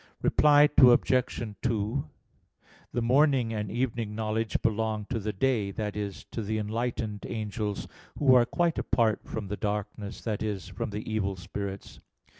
Reply Obj. 2: The morning and evening knowledge belong to the day, that is, to the enlightened angels, who are quite apart from the darkness, that is, from the evil spirits.